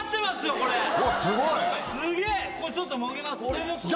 これちょっともぎますね。